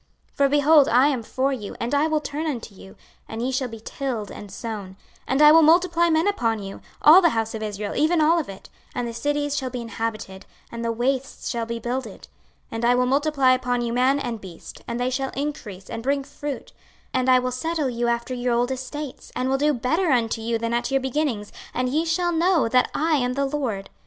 26:036:009 For, behold, I am for you, and I will turn unto you, and ye shall be tilled and sown: 26:036:010 And I will multiply men upon you, all the house of Israel, even all of it: and the cities shall be inhabited, and the wastes shall be builded: 26:036:011 And I will multiply upon you man and beast; and they shall increase and bring fruit: and I will settle you after your old estates, and will do better unto you than at your beginnings: and ye shall know that I am the LORD.